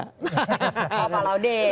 oh pak laude